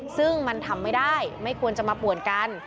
ซึ่งมันทำไม่ได้ไม่ควรจะมาป่วนกัน